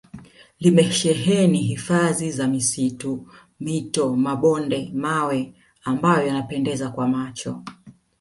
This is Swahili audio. limesheheni hifadhi za misitu mito mabonde mawe ambayo yanapendeza kwa macho